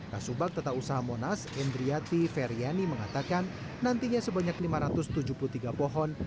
kasubag tata usaha monas endriati feriani mengatakan nantinya sebanyak lima ratus tujuh puluh tiga pohon